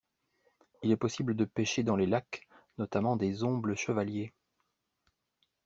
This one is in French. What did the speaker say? Il est possible de pêcher dans les lacs, notamment des ombles chevaliers.